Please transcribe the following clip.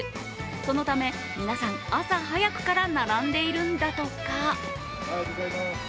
そのため、皆さん朝早くから並んでいるんだとか。